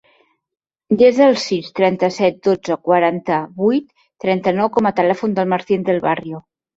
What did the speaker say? Desa el sis, trenta-set, dotze, quaranta-vuit, trenta-nou com a telèfon del Martín Del Barrio.